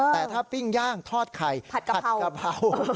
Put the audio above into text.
แต่ถ้าปิ้งย่างทอดไข่ผัดกะเพรา